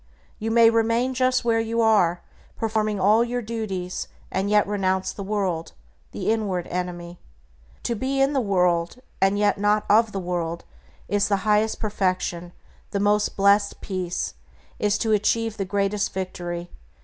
You may remain just where you are, performing all your duties, and yet renounce the world, the inward enemy. To be in the world and yet not of the world is the highest perfection, the most blessed peace, is to achieve the greatest victory.